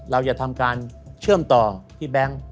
เราจะทำการเชื่อมต่อพี่แบงค์